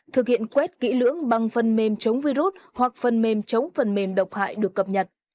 thực hiện quét kỹ lưỡng bằng phần mềm chống virus hoặc phần mềm chống phần mềm độc hại được cập nhật